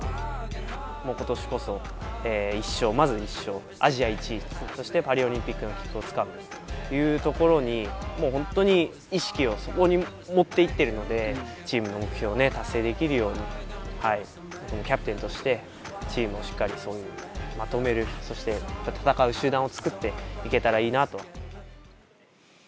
もうことしこそ１勝、まず１勝、アジア１位と、そしてパリオリンピックの切符をつかむというところに、もう本当に、意識をそこに持っていってるので、チームの目標を達成できるように、キャプテンとしてチームをしっかりまとめる、そして戦う集団を作っていけたらいいなと。